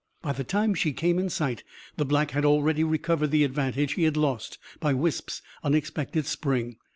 By the time she came in sight, the Black had already recovered the advantage he had lost by Wisp's unexpected spring.